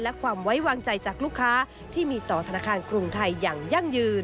และความไว้วางใจจากลูกค้าที่มีต่อธนาคารกรุงไทยอย่างยั่งยืน